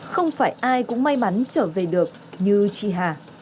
không phải ai cũng may mắn trở về được như chị hà